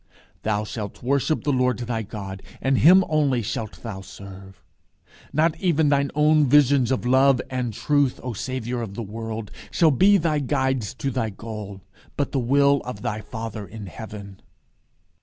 "Thou shalt worship the Lord thy God, and him only shalt thou serve." Not even thine own visions of love and truth, O Saviour of the world, shall be thy guides to thy goal, but the will of thy Father in heaven.